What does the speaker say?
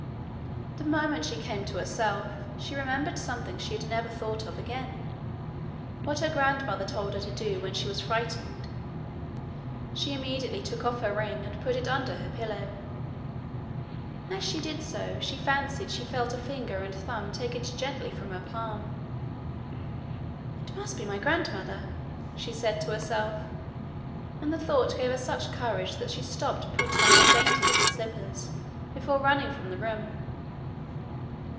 The moment she came to herself, she remembered something she had never thought of again what her grandmother told her to do when she was frightened. She immediately took off her ring and put it under her pillow. As she did so she fancied she felt a finger and thumb take it gently from under her palm. 'It must be my grandmother!' she said to herself, and the thought gave her such courage that she stopped to put on her dainty little slippers before running from the room.